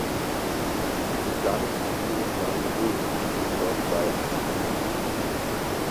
Die Planungsregion Main-Rhön liegt im Norden Bayerns.